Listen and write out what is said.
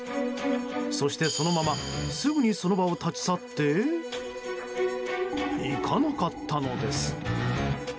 そして、そのまますぐにその場を立ち去っていかなかったのです。